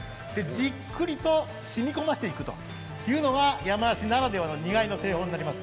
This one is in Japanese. じっくりと染み込ませていくというのが山梨ならではの製法になっています。